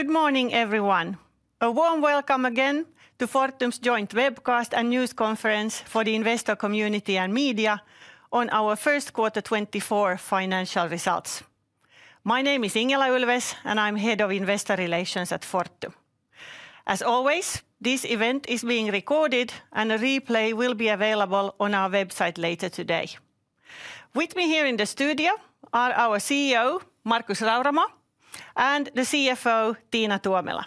Good morning, everyone. A warm welcome again to Fortum's joint webcast and news conference for the investor community and media on our first quarter 2024 financial results. My name is Ingela Ulfves, and I'm Head of Investor Relations at Fortum. As always, this event is being recorded, and a replay will be available on our website later today. With me here in the studio are our CEO, Markus Rauramo, and the CFO, Tiina Tuomela.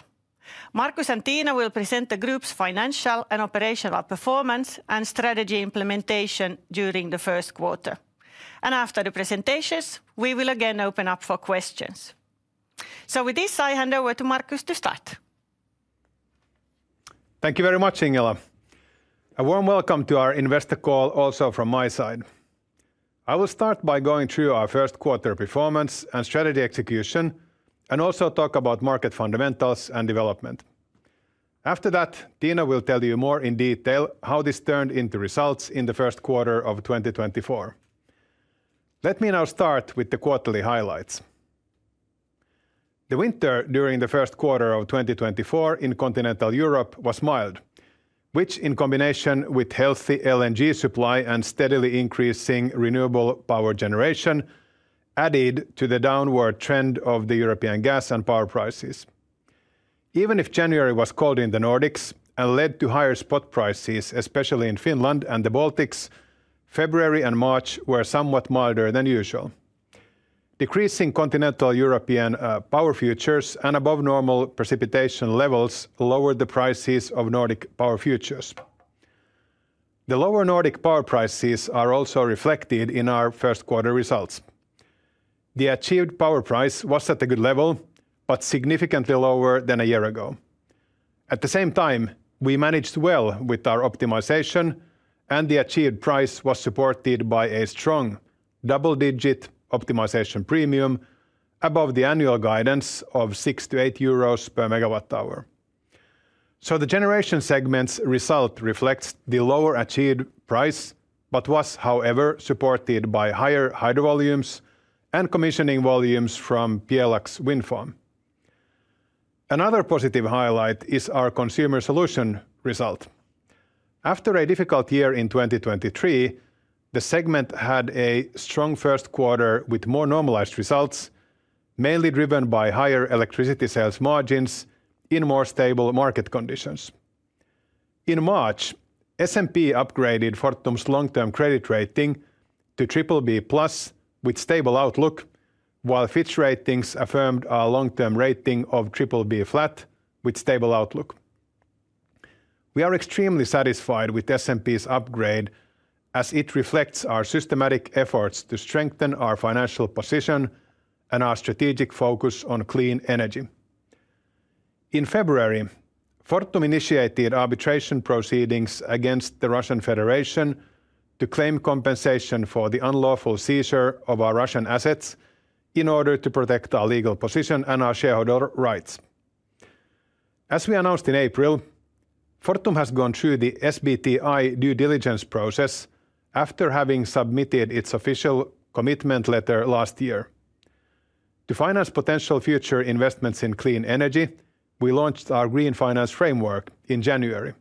Markus and Tiina will present the group's financial and operational performance and strategy implementation during the first quarter, and after the presentations, we will again open up for questions. With this, I hand over to Markus to start. Thank you very much, Ingela. A warm welcome to our investor call also from my side. I will start by going through our first quarter performance and strategy execution and also talk about market fundamentals and development. After that, Tiina will tell you more in detail how this turned into results in the first quarter of 2024. Let me now start with the quarterly highlights. The winter during the first quarter of 2024 in continental Europe was mild, which, in combination with healthy LNG supply and steadily increasing renewable power generation, added to the downward trend of the European gas and power prices. Even if January was cold in the Nordics and led to higher spot prices, especially in Finland and the Baltics, February and March were somewhat milder than usual. Decreasing continental European power futures and above normal precipitation levels lowered the prices of Nordic power futures. The lower Nordic power prices are also reflected in our first quarter results. The achieved power price was at a good level, but significantly lower than a year ago. At the same time, we managed well with our optimization, and the achieved price was supported by a strong double-digit optimization premium above the annual guidance of 6-8 euros per MWh. So the Generation segment's result reflects the lower achieved price, but was, however, supported by higher hydro volumes and commissioning volumes from Pjelax wind farm. Another positive highlight is our consumer solutions result. After a difficult year in 2023, the segment had a strong first quarter with more normalized results, mainly driven by higher electricity sales margins in more stable market conditions. In March, S&P upgraded Fortum's long-term credit rating to BBB+ with stable outlook, while Fitch Ratings affirmed our long-term rating of BBB with stable outlook. We are extremely satisfied with S&P's upgrade, as it reflects our systematic efforts to strengthen our financial position and our strategic focus on clean energy. In February, Fortum initiated arbitration proceedings against the Russian Federation to claim compensation for the unlawful seizure of our Russian assets in order to protect our legal position and our shareholder rights. As we announced in April, Fortum has gone through the SBTi due diligence process after having submitted its official commitment letter last year. To finance potential future investments in clean energy, we launched our Green Finance Framework in January.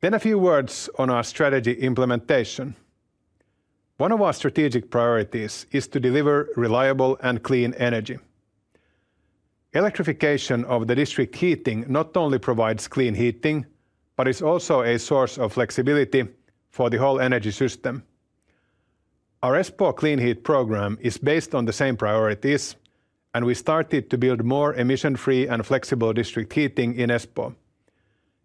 A few words on our strategy implementation. One of our strategic priorities is to deliver reliable and clean energy. Electrification of the district heating not only provides clean heating, but is also a source of flexibility for the whole energy system. Our Espoo Clean Heat program is based on the same priorities, and we started to build more emission-free and flexible district heating in Espoo.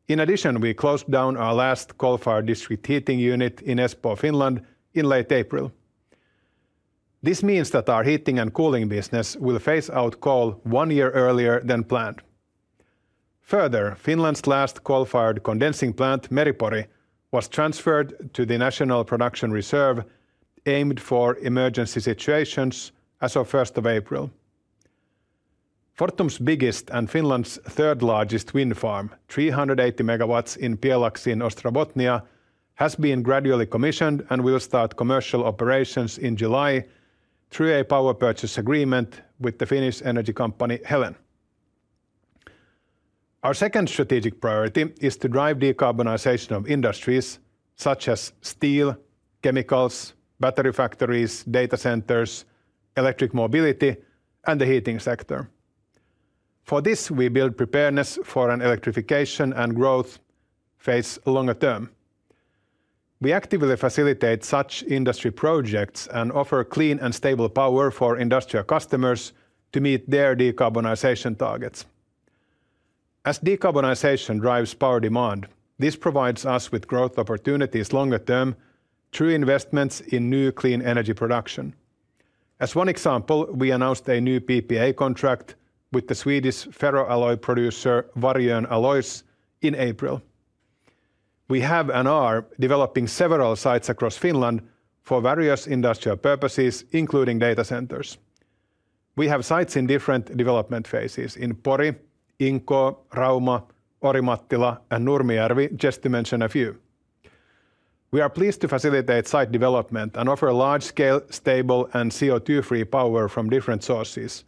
In addition, we closed down our last coal-fired district heating unit in Espoo, Finland, in late April. This means that our heating and cooling business will phase out coal one year earlier than planned. Further, Finland's last coal-fired condensing plant, Meri-Pori, was transferred to the National Production Reserve, aimed for emergency situations as of 1st of April. Fortum's biggest and Finland's third-largest wind farm, 380 MW in Pjelax in Ostrobothnia, has been gradually commissioned and will start commercial operations in July through a power purchase agreement with the Finnish energy company Helen. Our second strategic priority is to drive decarbonization of industries such as steel, chemicals, battery factories, data centers, electric mobility, and the heating sector. For this, we build preparedness for an electrification and growth phase longer term. We actively facilitate such industry projects and offer clean and stable power for industrial customers to meet their decarbonization targets. As decarbonization drives power demand, this provides us with growth opportunities longer term through investments in new clean energy production. As one example, we announced a new PPA contract with the Swedish ferroalloy producer, Vargön Alloys, in April. We have and are developing several sites across Finland for various industrial purposes, including data centers. We have sites in different development phases in Pori, Inkoo, Rauma, Orimattila, and Nurmijärvi, just to mention a few.... We are pleased to facilitate site development and offer large-scale, stable, and CO2-free power from different sources,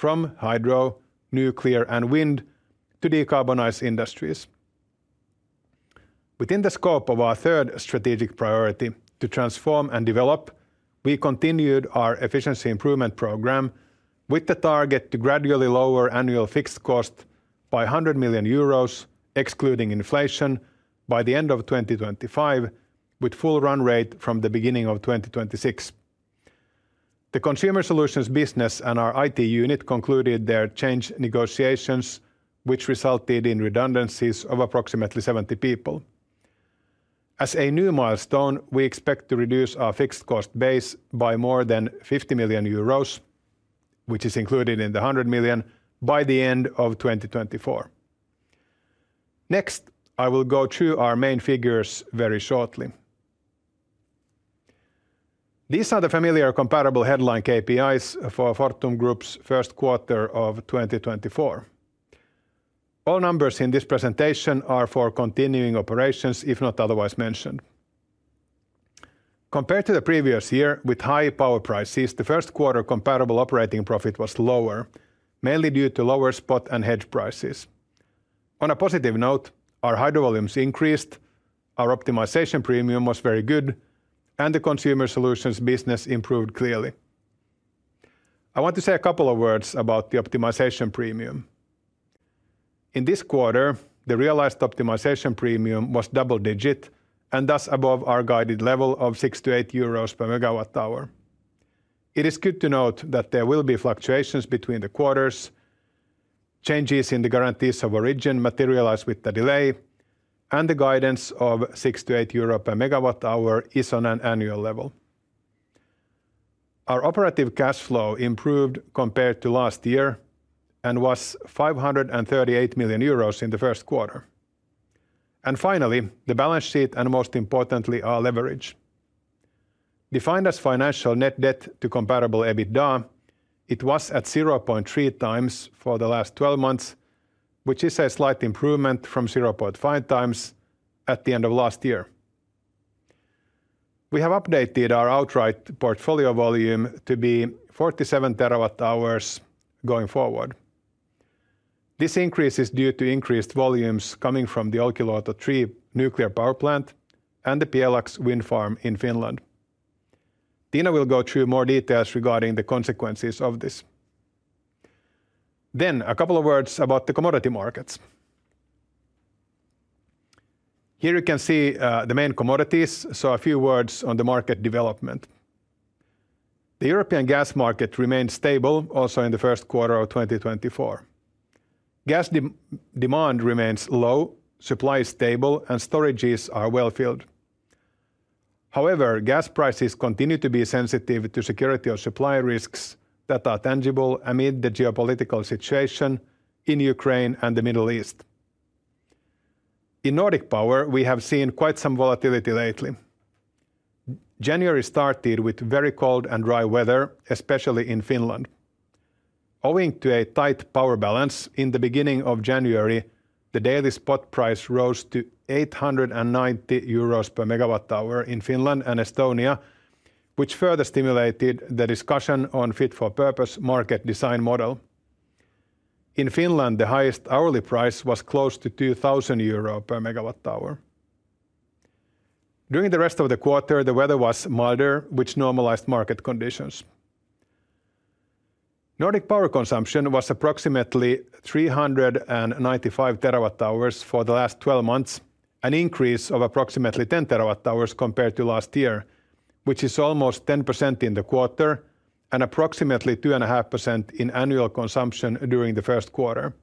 from hydro, nuclear, and wind, to decarbonize industries. Within the scope of our third strategic priority, to transform and develop, we continued our efficiency improvement program with the target to gradually lower annual fixed cost by 100 million euros, excluding inflation, by the end of 2025, with full run rate from the beginning of 2026. The consumer solutions business and our IT unit concluded their change negotiations, which resulted in redundancies of approximately 70 people. As a new milestone, we expect to reduce our fixed cost base by more than 50 million euros, which is included in the 100 million, by the end of 2024. Next, I will go through our main figures very shortly. These are the familiar comparable headline KPIs for Fortum Group's first quarter of 2024. All numbers in this presentation are for continuing operations, if not otherwise mentioned. Compared to the previous year, with high power prices, the first quarter comparable operating profit was lower, mainly due to lower spot and hedge prices. On a positive note, our hydro volumes increased, our optimization premium was very good, and the consumer solutions business improved clearly. I want to say a couple of words about the optimization premium. In this quarter, the realized optimization premium was double digit, and thus above our guided level of 6-8 euros per MWh. It is good to note that there will be fluctuations between the quarters, changes in the guarantees of origin materialize with the delay, and the guidance of 6-8 euro per MWh is on an annual level. Our operative cash flow improved compared to last year and was 538 million euros in the first quarter. Finally, the balance sheet, and most importantly, our leverage. Defined as financial net debt to comparable EBITDA, it was at 0.3 times for the last twelve months, which is a slight improvement from 0.5 times at the end of last year. We have updated our outright portfolio volume to be 47 TWh going forward. This increase is due to increased volumes coming from the Olkiluoto 3 nuclear power plant and the Pjelax wind farm in Finland. Tiina will go through more details regarding the consequences of this. Then, a couple of words about the commodity markets. Here you can see, the main commodities, so a few words on the market development. The European gas market remained stable also in the first quarter of 2024. Gas demand remains low, supply is stable, and storages are well filled. However, gas prices continue to be sensitive to security of supply risks that are tangible amid the geopolitical situation in Ukraine and the Middle East. In Nordic power, we have seen quite some volatility lately. January started with very cold and dry weather, especially in Finland. Owing to a tight power balance, in the beginning of January, the daily spot price rose to 890 euros per MWh in Finland and Estonia, which further stimulated the discussion on fit-for-purpose market design model. In Finland, the highest hourly price was close to 2,000 euro per MWh. During the rest of the quarter, the weather was milder, which normalized market conditions. Nordic power consumption was approximately 395 TWh for the last twelve months, an increase of approximately 10 TWh compared to last year, which is almost 10% in the quarter and approximately 2.5% in annual consumption during the first quarter.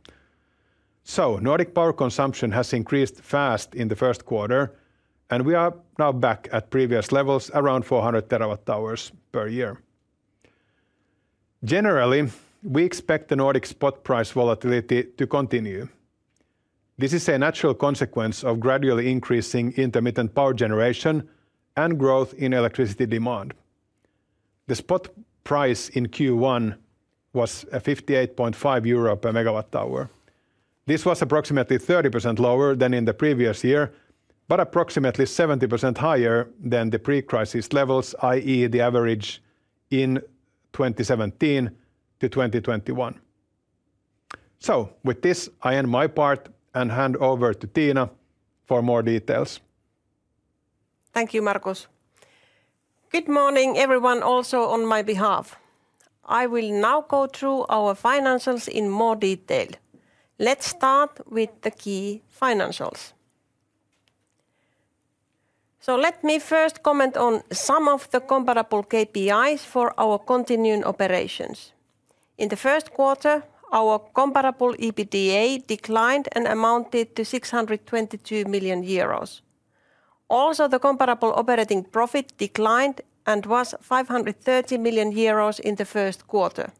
So Nordic power consumption has increased fast in the first quarter, and we are now back at previous levels, around 400 TWh per year. Generally, we expect the Nordic spot price volatility to continue. This is a natural consequence of gradually increasing intermittent power generation and growth in electricity demand. The spot price in Q1 was 58.5 euro per MWh. This was approximately 30% lower than in the previous year, but approximately 70% higher than the pre-crisis levels, i.e., the average in 2017-2021. With this, I end my part and hand over to Tiina for more details. Thank you, Markus. Good morning, everyone, also on my behalf. I will now go through our financials in more detail. Let's start with the key financials. So let me first comment on some of the comparable KPIs for our continuing operations. In the first quarter, our comparable EBITDA declined and amounted to 622 million euros. Also, the comparable operating profit declined and was 530 million euros in the first quarter.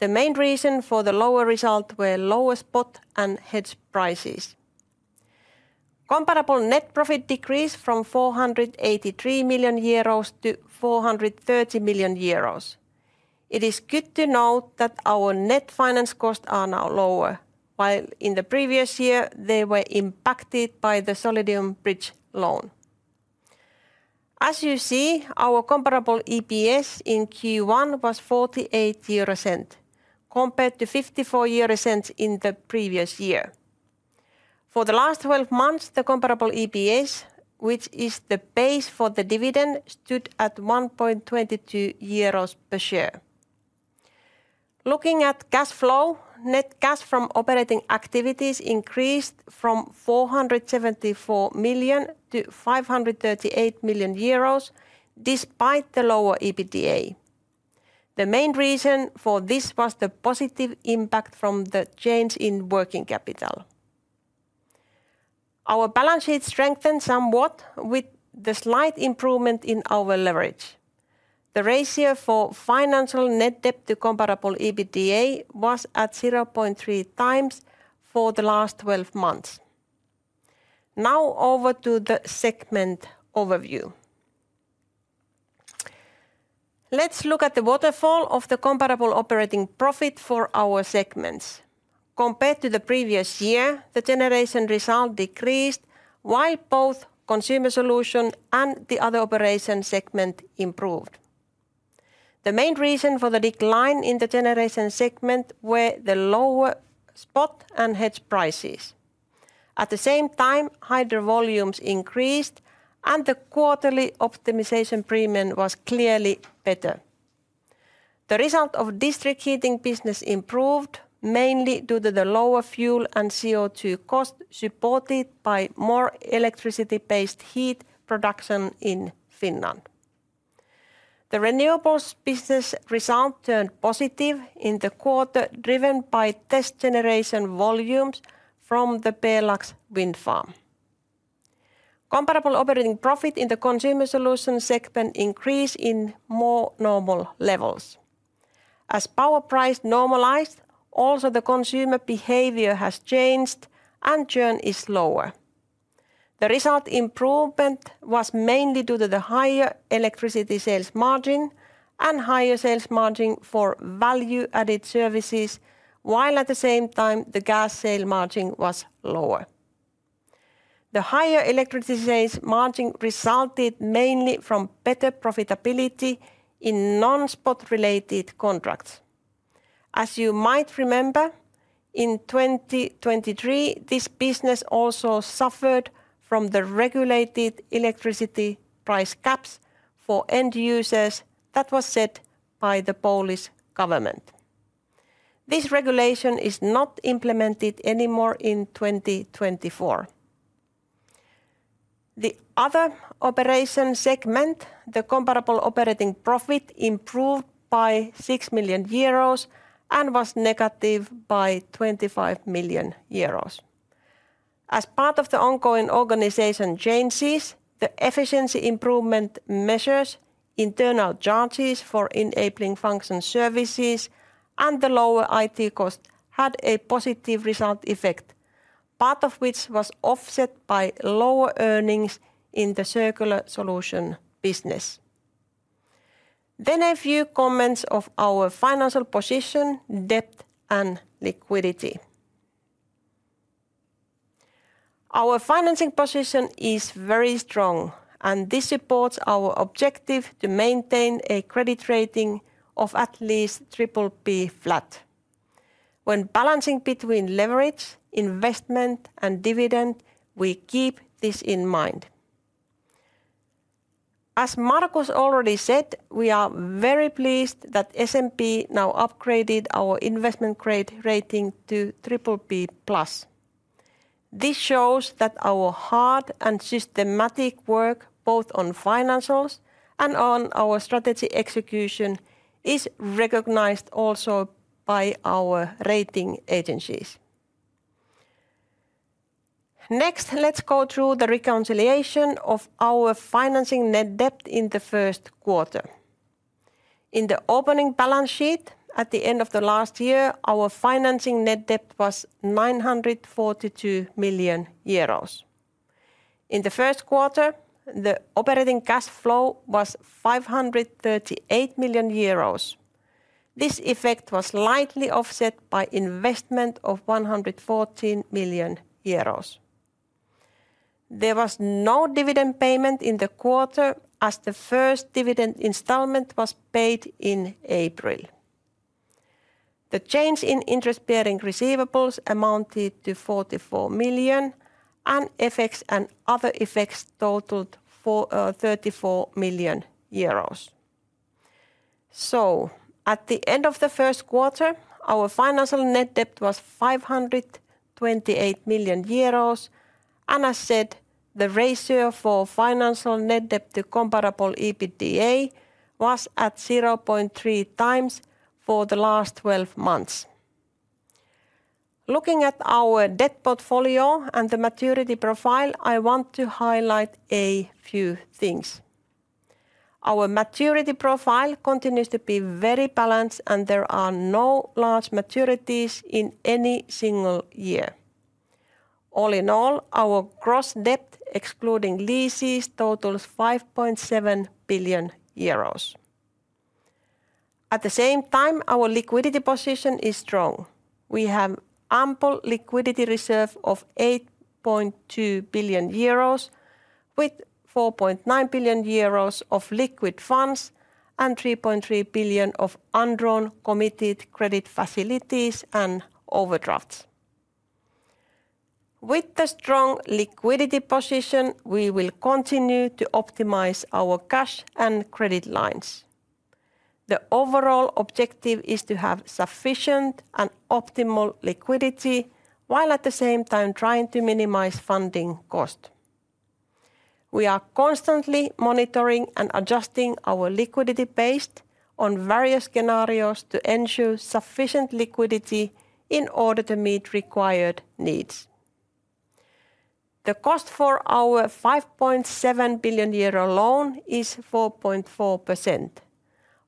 The main reason for the lower result were lower spot and hedge prices. Comparable net profit decreased from 483 million euros to 430 million euros. It is good to note that our net finance costs are now lower, while in the previous year, they were impacted by the Solidium bridge loan. As you see, our Comparable EPS in Q1 was 0.48, compared to 0.54 in the previous year. For the last twelve months, the Comparable EPS, which is the base for the dividend, stood at 1.22 euros per share. Looking at cash flow, net cash from operating activities increased from 474 million to 538 million euros, despite the lower EBITDA. The main reason for this was the positive impact from the change in working capital. Our balance sheet strengthened somewhat with the slight improvement in our leverage. The ratio for financial net debt to Comparable EBITDA was at 0.3 times for the last twelve months. Now, over to the segment overview. Let's look at the waterfall of the Comparable operating profit for our segments. Compared to the previous year, the generation result decreased, while both Consumer Solutions and the Other Operations segment improved. The main reason for the decline in the generation segment were the lower spot and hedge prices. At the same time, hydro volumes increased, and the quarterly optimization premium was clearly better. The result of district heating business improved, mainly due to the lower fuel and CO2 cost, supported by more electricity-based heat production in Finland. The Renewables business result turned positive in the quarter, driven by test generation volumes from the Pjelax wind farm. Comparable operating profit in the Consumer Solutions segment increased in more normal levels. As power price normalized, also the consumer behavior has changed, and churn is lower. The result improvement was mainly due to the higher electricity sales margin and higher sales margin for value-added services, while at the same time, the gas sale margin was lower. The higher electricity sales margin resulted mainly from better profitability in non-spot-related contracts. As you might remember, in 2023, this business also suffered from the regulated electricity price caps for end users that was set by the Polish government. This regulation is not implemented anymore in 2024. The other operation segment, the comparable operating profit, improved by 6 million euros and was negative by 25 million euros. As part of the ongoing organization changes, the efficiency improvement measures, internal charges for enabling function services, and the lower IT cost had a positive result effect, part of which was offset by lower earnings in the Circular Solutions business. Then a few comments of our financial position, debt, and liquidity. Our financing position is very strong, and this supports our objective to maintain a credit rating of at least BBB flat. When balancing between leverage, investment, and dividend, we keep this in mind. As Markus already said, we are very pleased that S&P now upgraded our investment grade rating to BBB+. This shows that our hard and systematic work, both on financials and on our strategy execution, is recognized also by our rating agencies. Next, let's go through the reconciliation of our financing net debt in the first quarter. In the opening balance sheet, at the end of the last year, our financing net debt was 942 million euros. In the first quarter, the operating cash flow was 538 million euros. This effect was slightly offset by investment of 114 million euros. There was no dividend payment in the quarter, as the first dividend installment was paid in April. The change in interest-bearing receivables amounted to 44 million, and FX and other effects totaled for 34 million euros. So at the end of the first quarter, our financial net debt was 528 million euros, and as said, the ratio for financial net debt to comparable EBITDA was at 0.3 times for the last twelve months. Looking at our debt portfolio and the maturity profile, I want to highlight a few things. Our maturity profile continues to be very balanced, and there are no large maturities in any single year.... All in all, our gross debt, excluding leases, totals 5.7 billion euros. At the same time, our liquidity position is strong. We have ample liquidity reserve of 8.2 billion euros, with 4.9 billion euros of liquid funds and 3.3 billion of undrawn committed credit facilities and overdrafts. With the strong liquidity position, we will continue to optimize our cash and credit lines. The overall objective is to have sufficient and optimal liquidity, while at the same time trying to minimize funding cost. We are constantly monitoring and adjusting our liquidity based on various scenarios to ensure sufficient liquidity in order to meet required needs. The cost for our 5.7 billion euro loan is 4.4%,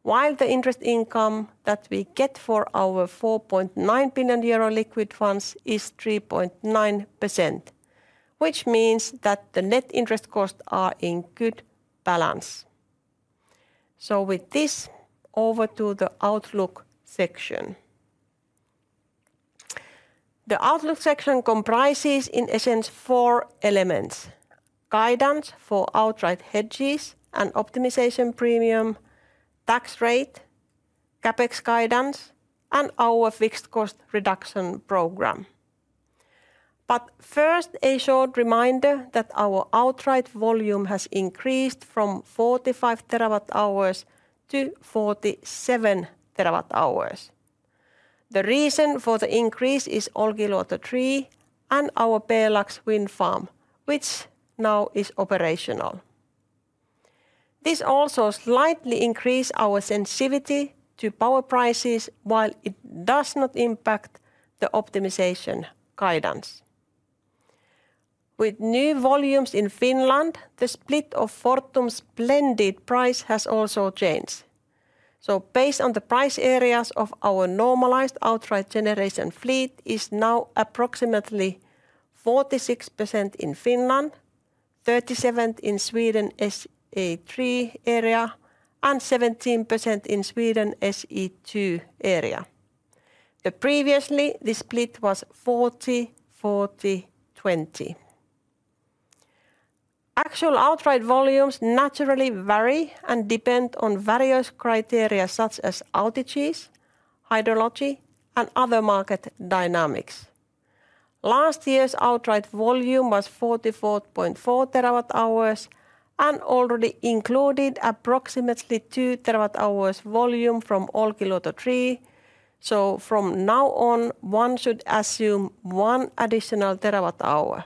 while the interest income that we get for our 4.9 billion euro liquid funds is 3.9%, which means that the net interest costs are in good balance. With this, over to the outlook section. The outlook section comprises, in essence, four elements: guidance for outright hedges and optimization premium, tax rate, CapEx guidance, and our fixed cost reduction program. But first, a short reminder that our outright volume has increased from 45 TWh to 47 TWh. The reason for the increase is Olkiluoto 3 and our Pjelax wind farm, which now is operational. This also slightly increase our sensitivity to power prices, while it does not impact the optimization guidance. With new volumes in Finland, the split of Fortum's blended price has also changed. So based on the price areas of our normalized outright generation fleet is now approximately 46% in Finland, 37 in Sweden SE3 area, and 17% in Sweden SE2 area. Previously, the split was 40, 40, 20. Actual outright volumes naturally vary and depend on various criteria, such as outages, hydrology, and other market dynamics. Last year's outright volume was 44.4 TWh and already included approximately 2 TWh volume from Olkiluoto 3. So from now on, one should assume 1 additional TWh.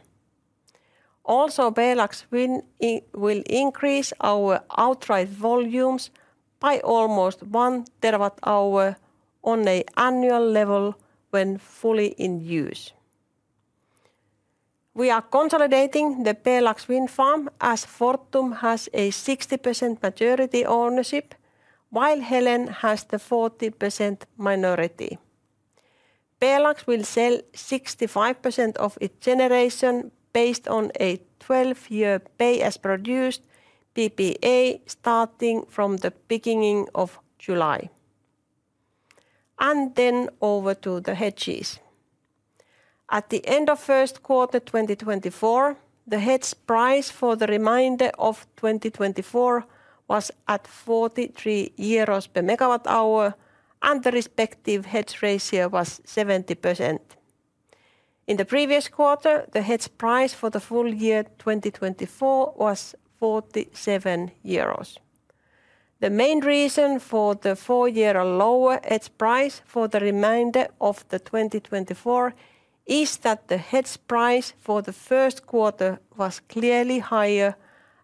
Also, Pjelax Wind, it will increase our outright volumes by almost 1 TWh on an annual level when fully in use. We are consolidating the Pjelax wind farm as Fortum has a 60% majority ownership, while Helen has the 40% minority. Pjelax will sell 65% of its generation based on a 12-year pay as produced PPA, starting from the beginning of July. And then over to the hedges. At the end of first quarter 2024, the hedge price for the remainder of 2024 was at 43 euros per MWh, and the respective hedge ratio was 70%. In the previous quarter, the hedge price for the full year 2024 was 47 euros. The main reason for the 4-year lower hedge price for the remainder of 2024 is that the hedge price for the first quarter was clearly higher,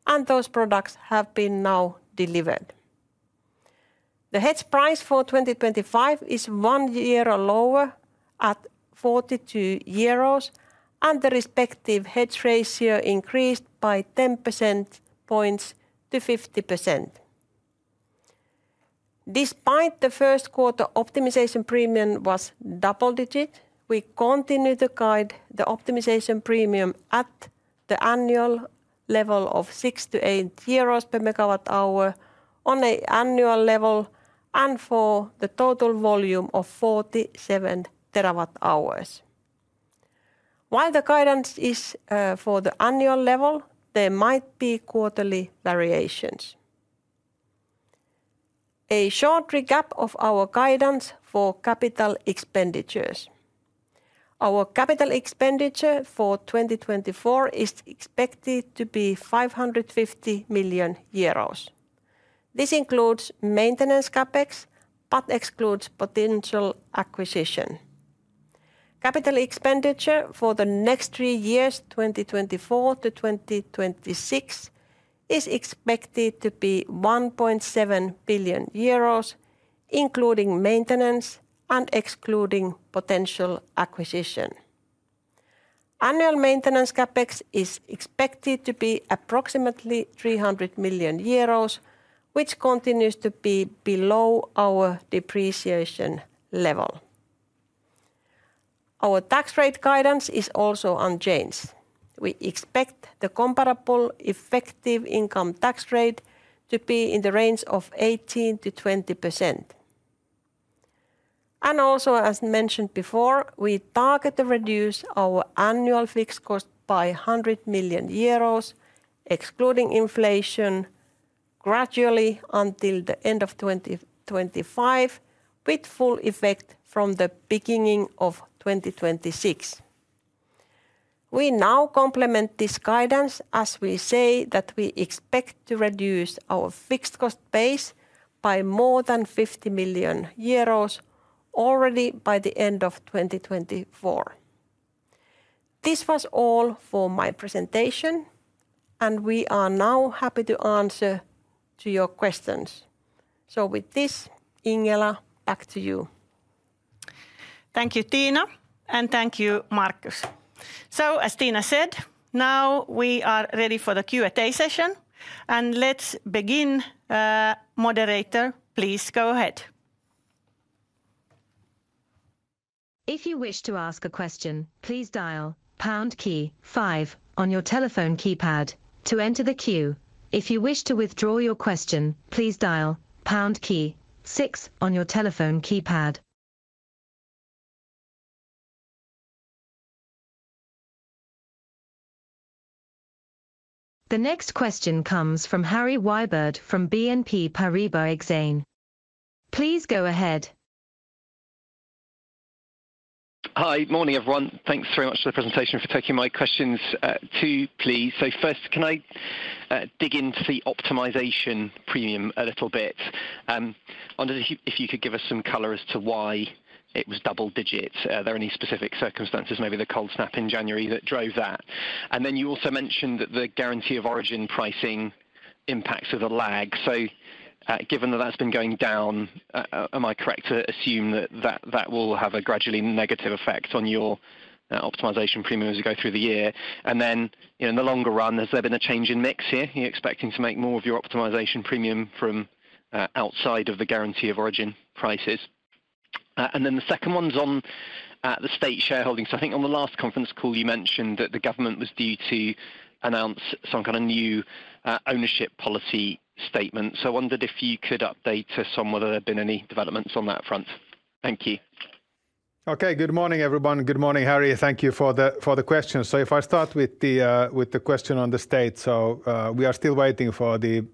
and those products have been now delivered. The hedge price for 2025 is one year lower at 42 euros, and the respective hedge ratio increased by 10 percentage points to 50%. Despite the first quarter optimization premium was double-digit, we continue to guide the optimization premium at the annual level of 6-8 euros per MWh on an annual level and for the total volume of 47 TWh. While the guidance is, for the annual level, there might be quarterly variations. A short recap of our guidance for capital expenditures. Our capital expenditure for 2024 is expected to be 550 million euros. This includes maintenance CapEx, but excludes potential acquisition. Capital expenditure for the next three years, 2024 to 2026, is expected to be 1.7 billion euros, including maintenance and excluding potential acquisition. Annual maintenance CapEx is expected to be approximately 300 million euros, which continues to be below our depreciation level. Our tax rate guidance is also unchanged. We expect the comparable effective income tax rate to be in the range of 18%-20%. Also, as mentioned before, we target to reduce our annual fixed cost by 100 million euros, excluding inflation, gradually until the end of 2025, with full effect from the beginning of 2026. We now complement this guidance as we say that we expect to reduce our fixed cost base by more than 50 million euros already by the end of 2024. This was all for my presentation, and we are now happy to answer to your questions. With this, Ingela, back to you. Thank you, Tiina, and thank you, Markus. So as Tiina said, now we are ready for the Q&A session, and let's begin. Moderator, please go ahead. If you wish to ask a question, please dial pound key five on your telephone keypad to enter the queue. If you wish to withdraw your question, please dial pound key six on your telephone keypad. The next question comes from Harry Wyburd from BNP Paribas Exane. Please go ahead. Hi. Morning, everyone. Thanks very much for the presentation, for taking my questions, two, please. So first, can I dig into the optimization premium a little bit? I wonder if you, if you could give us some color as to why it was double digits. Are there any specific circumstances, maybe the cold snap in January, that drove that? And then you also mentioned that the guarantee of origin pricing impacts of the lag. So, given that that's been going down, am I correct to assume that that will have a gradually negative effect on your optimization premium as you go through the year? And then, in the longer run, has there been a change in mix here? Are you expecting to make more of your optimization premium from outside of the guarantee of origin prices? And then the second one's on the state shareholding. I think on the last conference call, you mentioned that the government was due to announce some kind of new ownership policy statement. I wondered if you could update us on whether there have been any developments on that front. Thank you. Okay. Good morning, everyone, and good morning, Harry. Thank you for the question. So if I start with the question on the state. So, we are still waiting for the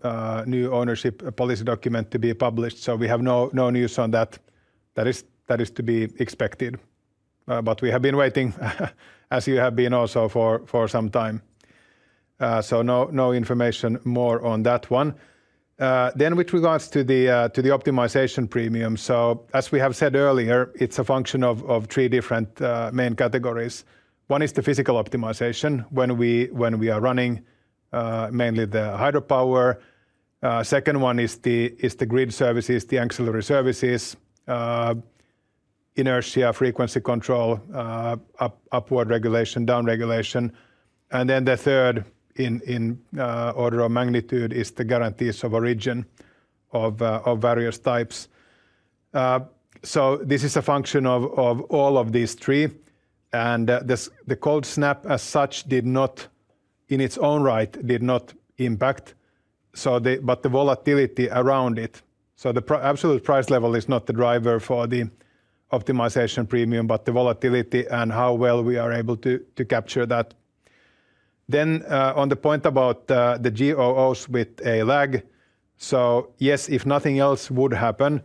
new ownership policy document to be published, so we have no news on that. That is to be expected. But we have been waiting, as you have been also, for some time. So no information more on that one. Then with regards to the optimization premium, so as we have said earlier, it's a function of three different main categories. One is the physical optimization, when we are running mainly the hydropower. Second one is the grid services, the ancillary services, inertia, frequency control, upward regulation, down regulation. And then the third in order of magnitude is the guarantees of origin of various types. So this is a function of all of these three, and the cold snap as such did not, in its own right, impact. But the volatility around it, the absolute price level is not the driver for the optimization premium, but the volatility and how well we are able to capture that. Then, on the point about the GOs with a lag, so yes, if nothing else would happen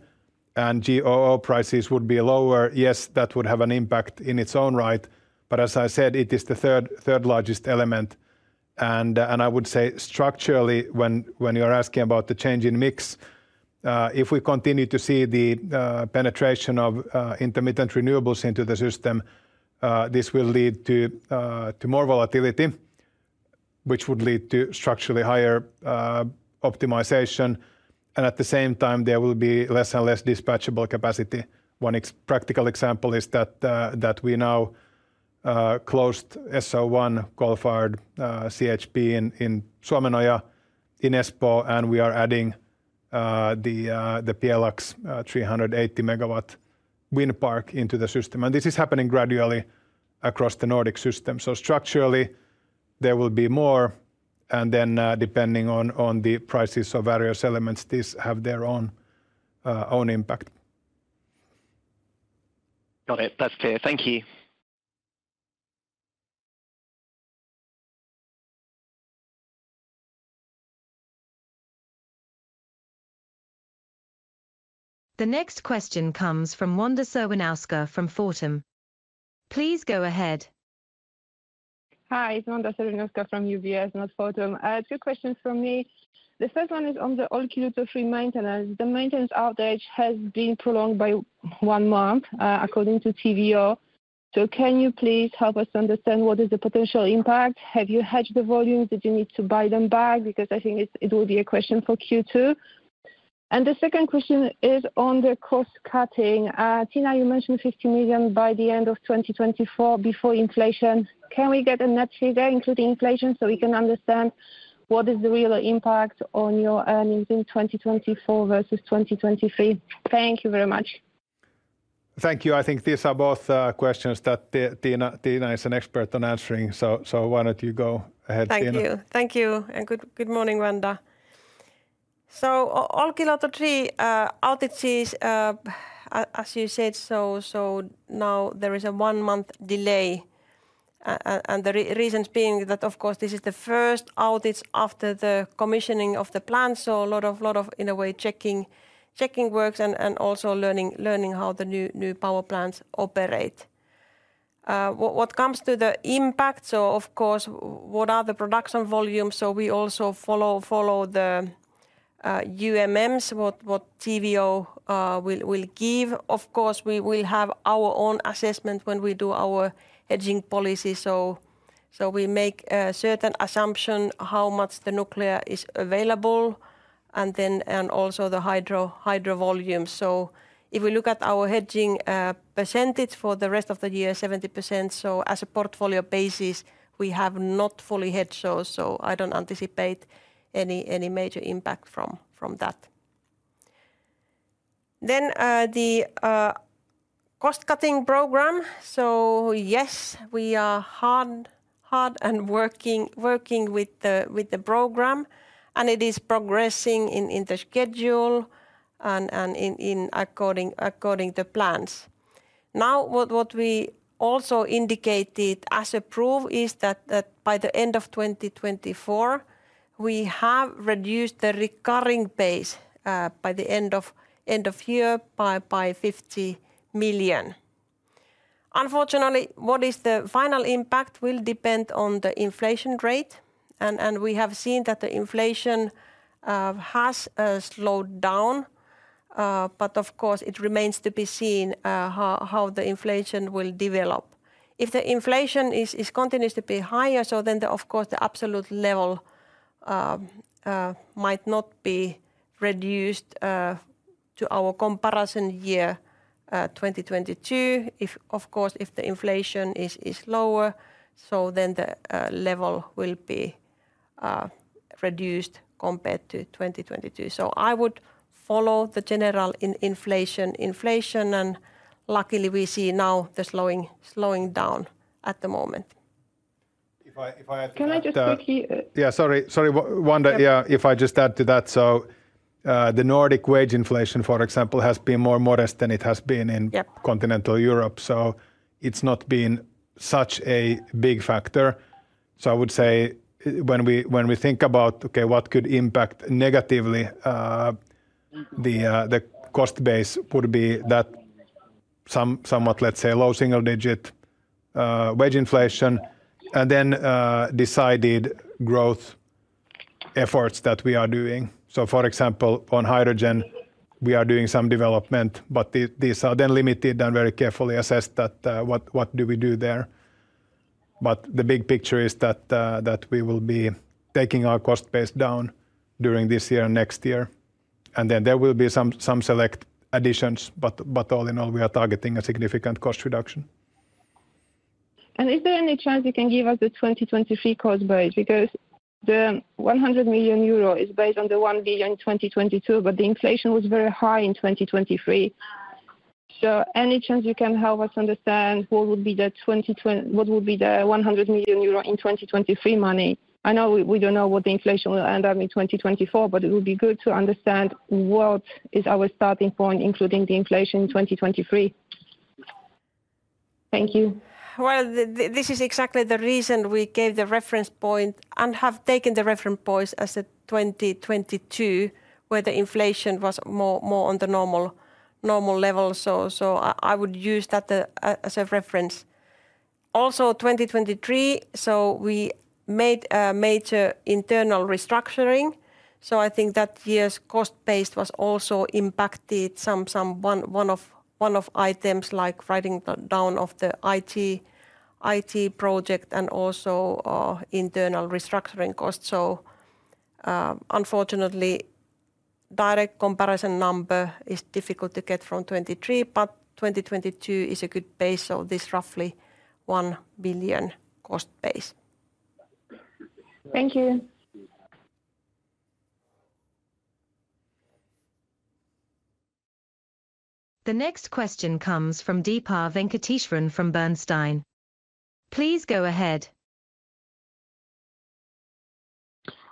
and GO prices would be lower, yes, that would have an impact in its own right. But as I said, it is the third largest element. I would say structurally, when you're asking about the change in mix, if we continue to see the penetration of intermittent renewables into the system, this will lead to more volatility, which would lead to structurally higher optimization. And at the same time, there will be less and less dispatchable capacity. One practical example is that we now closed SO1 coal-fired CHP in Suomenoja, in Espoo, and we are adding the Pjelax 380-MW wind park into the system. And this is happening gradually across the Nordic system. So structurally, there will be more, and then, depending on the prices of various elements, these have their own impact. Got it. That's clear. Thank you. The next question comes from Wanda Serwinowska from Fortum. Please go ahead. Hi, it's Wanda Serwinowska from UBS, not Fortum. I have two questions from me. The first one is on the Olkiluoto 3 maintenance. The maintenance outage has been prolonged by one month, according to TVO. So can you please help us understand what is the potential impact? Have you hedged the volume? Did you need to buy them back? Because I think it will be a question for Q2.... The second question is on the cost cutting. Tiina, you mentioned 50 million by the end of 2024 before inflation. Can we get a net figure including inflation, so we can understand what is the real impact on your earnings in 2024 versus 2023? Thank you very much. Thank you. I think these are both questions that Tiina is an expert on answering. So why don't you go ahead, Tiina? Thank you. Thank you, and good morning, Wanda. So Olkiluoto 3, outages, as you said, so now there is a one-month delay. And the reasons being that, of course, this is the first outage after the commissioning of the plant, so a lot of, in a way, checking works and also learning how the new power plants operate. What comes to the impact, so of course, what are the production volumes? So we also follow the UMMs, what TVO will give. Of course, we will have our own assessment when we do our hedging policy, so we make a certain assumption how much the nuclear is available, and then... and also the hydro volumes. So if we look at our hedging percentage for the rest of the year, 70%. So as a portfolio basis, we have not fully hedged those, so I don't anticipate any major impact from that. Then, the cost-cutting program. So yes, we are hard and working with the program, and it is progressing in the schedule and in accordance to plans. Now, what we also indicated as a proof is that by the end of 2024, we have reduced the recurring base by the end of year by 50 million. Unfortunately, what is the final impact will depend on the inflation rate, and we have seen that the inflation has slowed down. But of course, it remains to be seen how the inflation will develop. If the inflation continues to be higher, so then, of course, the absolute level might not be reduced to our comparison year 2022. If, of course, if the inflation is lower, so then the level will be reduced compared to 2022. So I would follow the general inflation, and luckily we see now the slowing down at the moment. If I add to that- Can I just quickly, Yeah, sorry, sorry, Wanda. Yeah, if I just add to that. So, the Nordic wage inflation, for example, has been more modest than it has been in- Yep... continental Europe, so it's not been such a big factor. So I would say, when we, when we think about, okay, what could impact negatively, the, the cost base would be that somewhat, let's say, low single-digit, wage inflation, and then, decided growth efforts that we are doing. So for example, on hydrogen, we are doing some development, but these are then limited and very carefully assessed that, what, what do we do there? But the big picture is that, that we will be taking our cost base down during this year and next year, and then there will be some select additions. But all in all, we are targeting a significant cost reduction. Is there any chance you can give us the 2023 cost base? Because the 100 million euro is based on the 1 billion in 2022, but the inflation was very high in 2023. So any chance you can help us understand what would be the 100 million euro in 2023 money? I know we don't know what the inflation will end up in 2024, but it would be good to understand what is our starting point, including the inflation in 2023. Thank you. Well, this is exactly the reason we gave the reference point and have taken the reference point as at 2022, where the inflation was more on the normal level. So I would use that as a reference. Also, 2023, so we made a major internal restructuring, so I think that year's cost base was also impacted some, one-off items like writing down of the IT project and also internal restructuring costs. So, unfortunately, direct comparison number is difficult to get from 2023, but 2022 is a good base, so this roughly 1 billion cost base. Thank you. The next question comes from Deepa Venkateswaran from Bernstein. Please go ahead.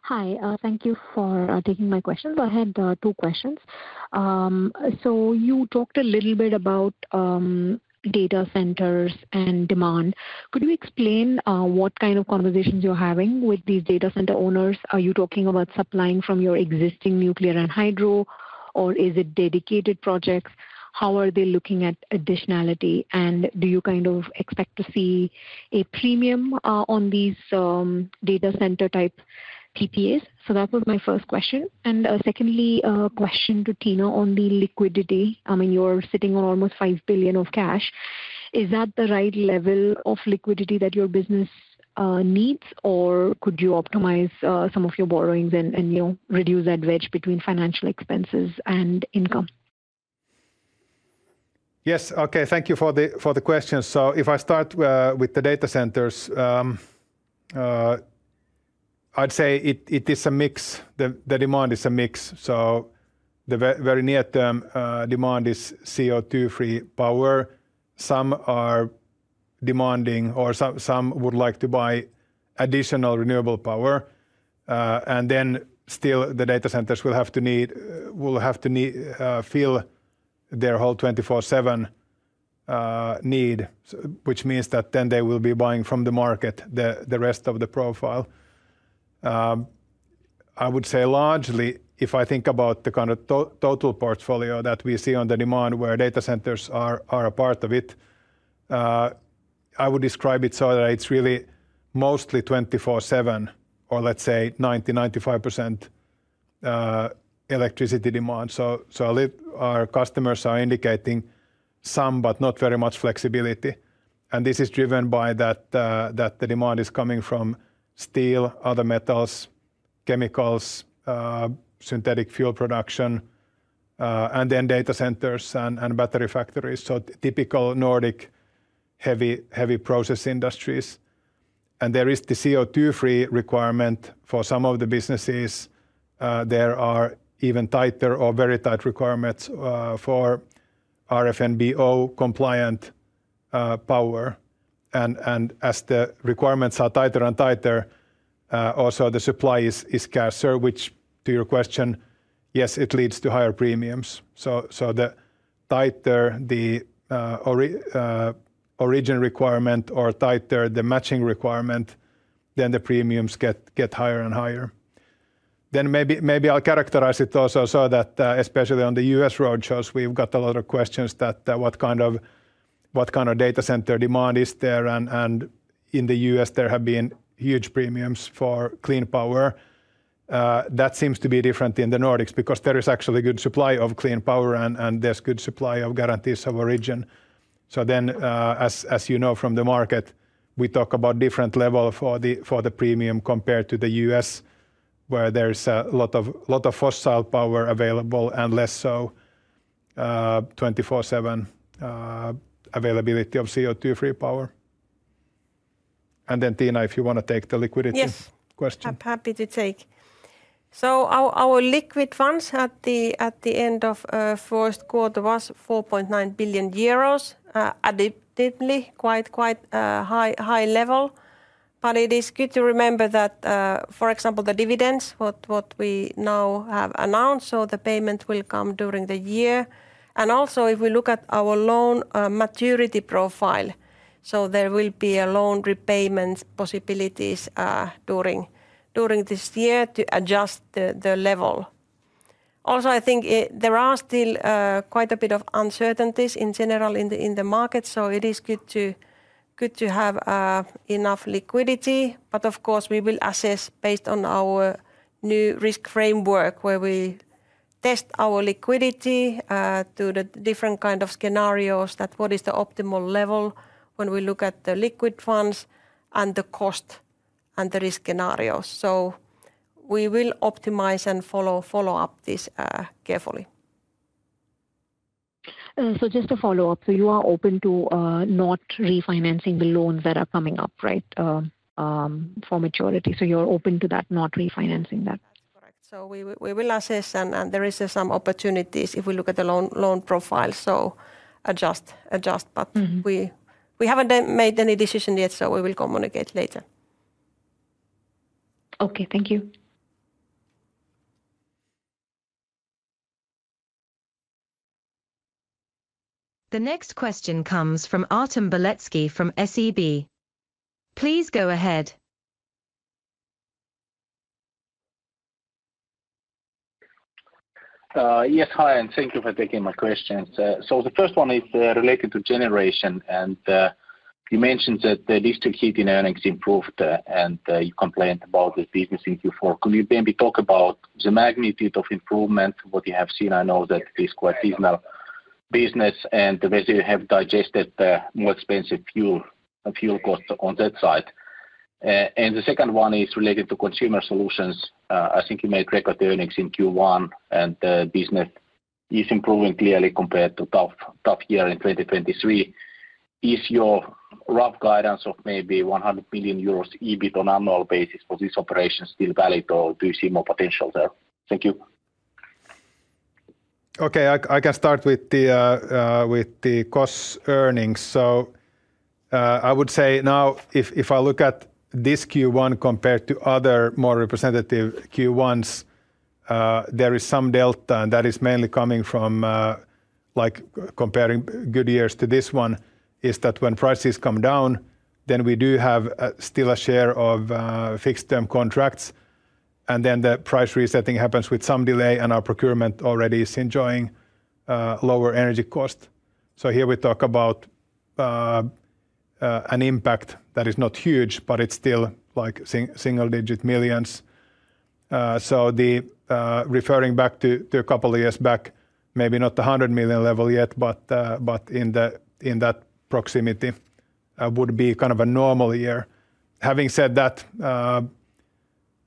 Hi, thank you for taking my questions. I had two questions. So you talked a little bit about data centers and demand. Could you explain what kind of conversations you're having with these data center owners? Are you talking about supplying from your existing nuclear and hydro, or is it dedicated projects? How are they looking at additionality, and do you kind of expect to see a premium on these data center type PPAs? So that was my first question. And secondly, a question to Tiina on the liquidity. I mean, you're sitting on almost 5 billion of cash. Is that the right level of liquidity that your business needs, or could you optimize some of your borrowings and, you know, reduce that wedge between financial expenses and income? Yes. Okay, thank you for the question. So if I start with the data centers, I'd say it is a mix. The demand is a mix. So the very near-term demand is CO2-free power. Some are demanding or some would like to buy additional renewable power. And then still the data centers will have to need to fill their whole 24/7 need, which means that then they will be buying from the market the rest of the profile. I would say largely, if I think about the kind of total portfolio that we see on the demand, where data centers are a part of it, I would describe it so that it's really mostly 24/7, or let's say 90%-95% electricity demand. So our customers are indicating some, but not very much flexibility, and this is driven by that the demand is coming from steel, other metals, chemicals, synthetic fuel production, and then data centers and battery factories. So typical Nordic heavy process industries. And there is the CO2-free requirement for some of the businesses. There are even tighter or very tight requirements for RFNBO-compliant power. And as the requirements are tighter and tighter, also the supply is scarcer, which, yes, it leads to higher premiums. So the tighter the origin requirement or tighter the matching requirement, then the premiums get higher and higher. Then maybe I'll characterize it also, so that especially on the US roadshows, we've got a lot of questions that what kind of data center demand is there? And in the US, there have been huge premiums for clean power. That seems to be different in the Nordics because there is actually good supply of clean power, and there's good supply of guarantees of origin. So then, as you know from the market, we talk about different level for the premium compared to the US, where there's a lot of fossil power available and less so, 24/7 availability of CO2-free power. And then, Tiina, if you want to take the liquidity- Yes. Question. Happy to take. So our, our liquid funds at the, at the end of first quarter was 4.9 billion euros. Admittedly, quite, quite, high, high level. But it is good to remember that, for example, the dividends, what, what we now have announced, so the payment will come during the year. And also, if we look at our loan, maturity profile, so there will be a loan repayments possibilities, during, during this year to adjust the, the level. Also, I think it... there are still, quite a bit of uncertainties in general in the, in the market, so it is good to, good to have, enough liquidity. Of course, we will assess based on our new risk framework, where we test our liquidity to the different kind of scenarios that what is the optimal level when we look at the liquid funds and the cost and the risk scenarios. So we will optimize and follow up this carefully. So just to follow up, so you are open to not refinancing the loans that are coming up, right, for maturity? So you're open to that, not refinancing that. That's correct. So we will assess, and there is some opportunities if we look at the loan profile, so adjust. Mm-hmm. But we haven't made any decision yet, so we will communicate later. Okay, thank you. The next question comes from Artem Beletsky from SEB. Please go ahead. Yes, hi, and thank you for taking my questions. So the first one is related to generation, and you mentioned that the district heating earnings improved, and you complained about this business in Q4. Could you maybe talk about the magnitude of improvement, what you have seen? I know that it is quite seasonal business, and whether you have digested more expensive fuel, fuel cost on that side. And the second one is related to consumer solutions. I think you made record earnings in Q1, and the business is improving clearly compared to tough, tough year in 2023. Is your rough guidance of maybe 100 billion euros EBIT on annual basis for this operation still valid, or do you see more potential there? Thank you. Okay. I can start with the cost earnings. So, I would say now if I look at this Q1 compared to other more representative Q1s, there is some delta, and that is mainly coming from... like comparing good years to this one, is that when prices come down, then we do have still a share of fixed-term contracts, and then the price resetting happens with some delay, and our procurement already is enjoying lower energy cost. So here we talk about an impact that is not huge, but it's still like EUR single-digit millions. So, referring back to a couple of years back, maybe not the 100 million level yet, but in that proximity, would be kind of a normal year. Having said that,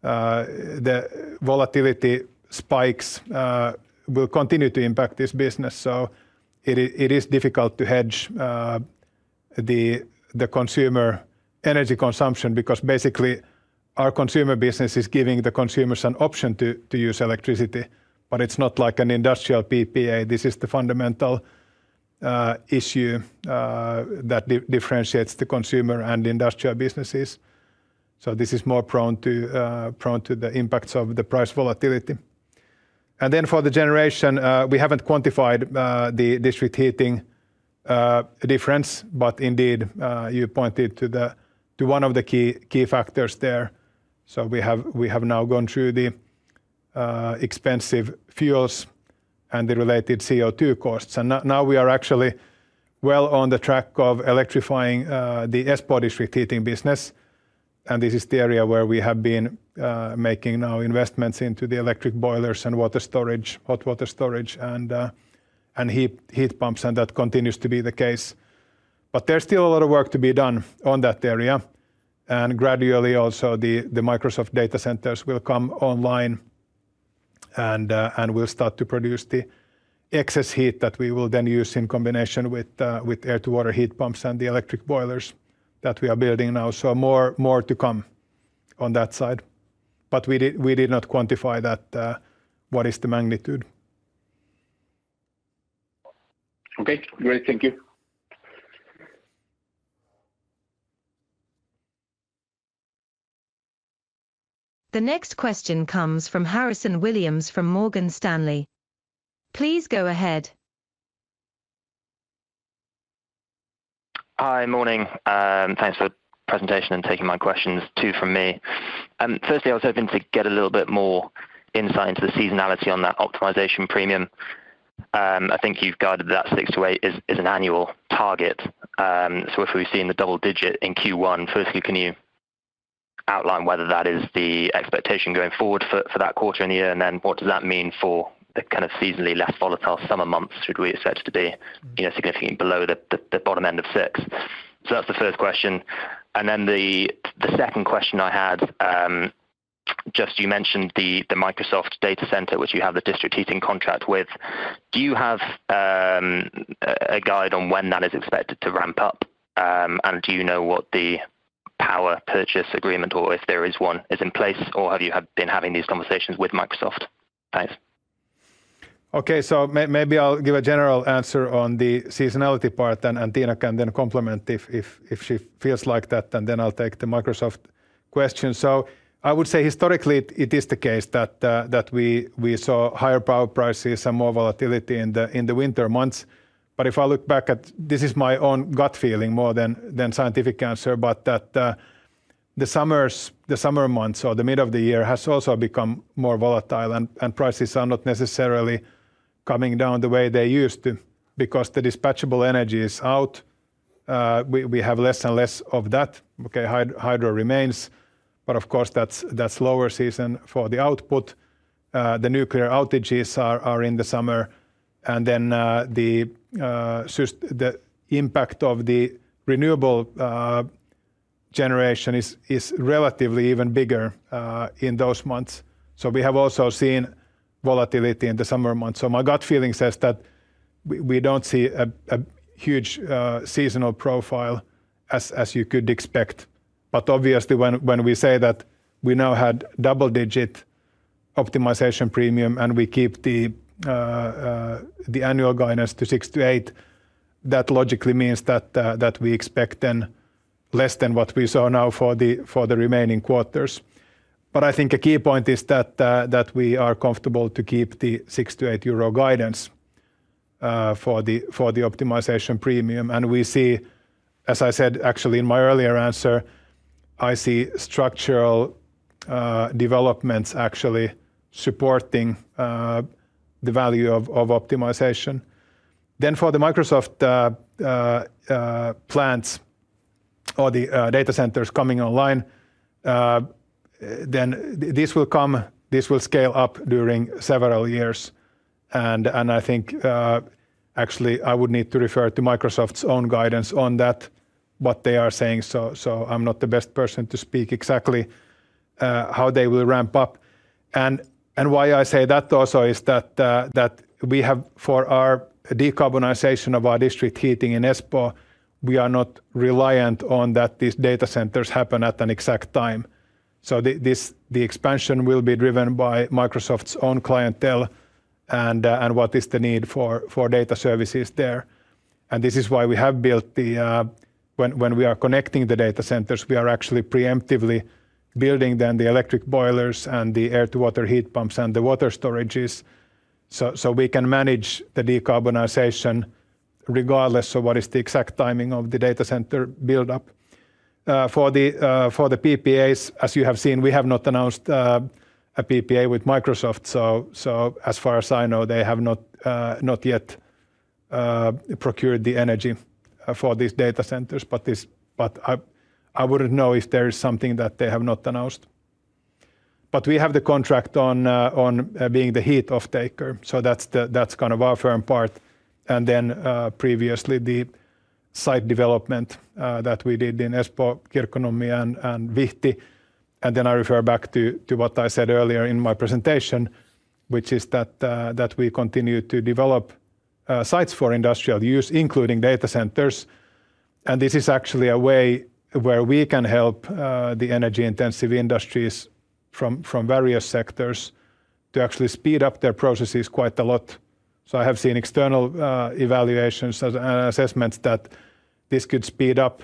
the volatility spikes will continue to impact this business, so it is difficult to hedge the consumer energy consumption because basically our consumer business is giving the consumers an option to use electricity, but it's not like an industrial PPA. This is the fundamental issue that differentiates the consumer and industrial businesses, so this is more prone to the impacts of the price volatility. And then for the generation, we haven't quantified the district heating difference, but indeed, you pointed to one of the key factors there. So we have now gone through the expensive fuels and the related CO2 costs, and now we are actually well on the track of electrifying the Espoo district heating business. And this is the area where we have been making now investments into the electric boilers and water storage, hot water storage, and heat pumps, and that continues to be the case. But there's still a lot of work to be done on that area, and gradually also, the Microsoft data centers will come online and will start to produce the excess heat that we will then use in combination with air-to-water heat pumps and the electric boilers that we are building now. So more to come on that side. But we did not quantify that, what is the magnitude? Okay, great. Thank you. The next question comes from Harrison Williams from Morgan Stanley. Please go ahead. Hi, morning. Thanks for the presentation and taking my questions, two from me. Firstly, I was hoping to get a little bit more insight into the seasonality on that optimization premium. I think you've guided that 6-8 is an annual target. So if we've seen the double-digit in Q1, firstly, can you outline whether that is the expectation going forward for that quarter and year? And then what does that mean for the kind of seasonally less volatile summer months? Should we expect it to be, you know, significantly below the bottom end of 6? So that's the first question. And then the second question I had, just you mentioned the Microsoft data center, which you have the district heating contract with. Do you have a guide on when that is expected to ramp up? Do you know what the power purchase agreement, or if there is one, is in place, or have you been having these conversations with Microsoft? Thanks. Okay. So maybe I'll give a general answer on the seasonality part, then Tiina can then complement if she feels like that, and then I'll take the Microsoft question. So I would say historically it is the case that we saw higher power prices and more volatility in the winter months. But if I look back at... This is my own gut feeling more than scientific answer, but the summers, the summer months or the mid of the year, has also become more volatile and prices are not necessarily coming down the way they used to because the dispatchable energy is out. We have less and less of that. Okay, hydro remains, but of course, that's lower season for the output. The nuclear outages are in the summer, and then the impact of the renewable generation is relatively even bigger in those months. So we have also seen volatility in the summer months. So my gut feeling says that we don't see a huge seasonal profile as you could expect. But obviously, when we say that we now had double digit optimization premium, and we keep the annual guidance to 6-8, that logically means that we expect then less than what we saw now for the remaining quarters. But I think a key point is that we are comfortable to keep the 6-8 euro guidance for the optimization premium. We see, as I said, actually, in my earlier answer, I see structural developments actually supporting the value of optimization. Then for the Microsoft plants or the data centers coming online, then this will come, this will scale up during several years. And I think, actually, I would need to refer to Microsoft's own guidance on that, what they are saying. So I'm not the best person to speak exactly how they will ramp up. And why I say that also is that we have for our decarbonization of our district heating in Espoo, we are not reliant on that these data centers happen at an exact time. So this, the expansion will be driven by Microsoft's own clientele and what is the need for data services there. And this is why we have built the. When we are connecting the data centers, we are actually preemptively building then the electric boilers and the air-to-water heat pumps and the water storages, so we can manage the decarbonization regardless of what is the exact timing of the data center buildup. For the PPAs, as you have seen, we have not announced a PPA with Microsoft. So as far as I know, they have not not yet procured the energy for these data centers. But this. But I, I wouldn't know if there is something that they have not announced. But we have the contract on being the heat off-taker, so that's the-- that's kind of our firm part, and then, previously, the site development that we did in Espoo, Kirkkonummi, and Vihti. And then I refer back to what I said earlier in my presentation, which is that we continue to develop sites for industrial use, including data centers. And this is actually a way where we can help the energy-intensive industries from various sectors to actually speed up their processes quite a lot. So I have seen external evaluations as assessments that this could speed up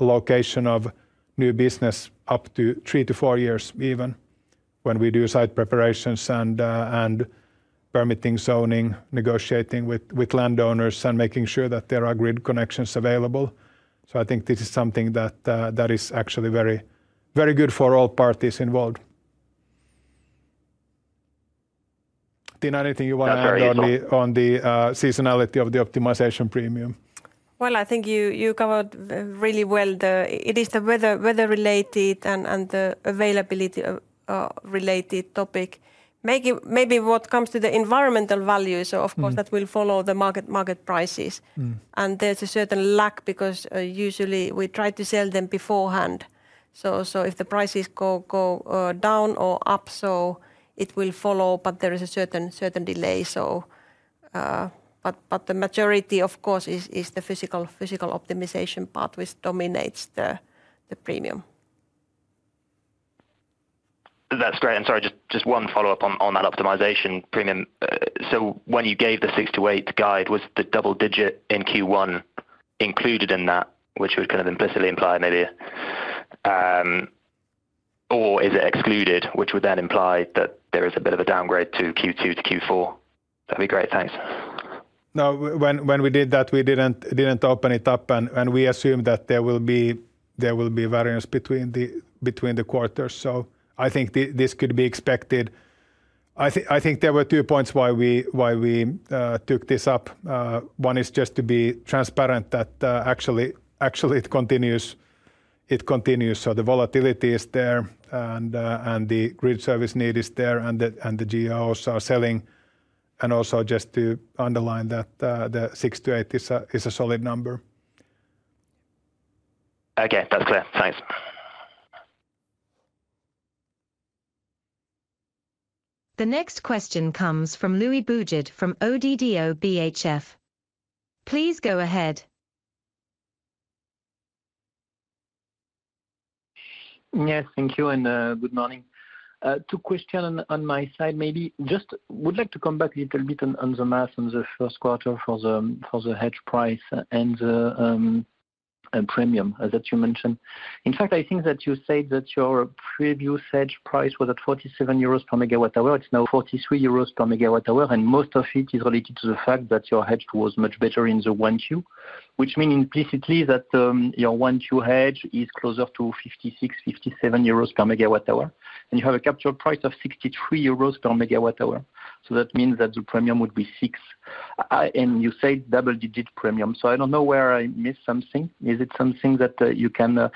location of new business up to three to four years even, when we do site preparations and permitting, zoning, negotiating with landowners, and making sure that there are grid connections available. So I think this is something that is actually very, very good for all parties involved. Tiina, anything you wanna add- Yeah, very-... on the seasonality of the optimization premium? Well, I think you covered really well the... It is the weather, weather-related and the availability of related topic. Maybe what comes to the environmental values- Mm.... of course, that will follow the market, market prices. Mm. There's a certain lag because usually we try to sell them beforehand. So if the prices go down or up, so it will follow, but there is a certain delay, so... But the majority, of course, is the physical optimization part, which dominates the premium. That's great, and sorry, just, just one follow-up on, on that optimization premium. So when you gave the 6-8 guide, was the double digit in Q1 included in that, which would kind of implicitly imply maybe... Or is it excluded, which would then imply that there is a bit of a downgrade to Q2 to Q4? That'd be great. Thanks. No, when we did that, we didn't open it up, and we assumed that there will be variance between the quarters, so I think this could be expected. I think there were two points why we took this up. One is just to be transparent, that actually it continues. So the volatility is there, and the grid service need is there, and the GOs are selling, and also just to underline that the 6-8 is a solid number. Okay, that's clear. Thanks. The next question comes from Louis Boujard from ODDO BHF. Please go ahead. Yes, thank you, and good morning. Two questions on my side, maybe. Just would like to come back a little bit on the math on the first quarter for the hedge price and the premium that you mentioned. In fact, I think that you said that your previous hedge price was at 47 euros per MWh. It's now 43 euros per MWh, and most of it is related to the fact that your hedge was much better in the one two, which means implicitly that your one two hedge is closer to 56, 57 euros per MWh, and you have a capture price of 63 euros per MWh. So that means that the premium would be 6. And you said double-digit premium, so I don't know where I miss something. Is it something that you can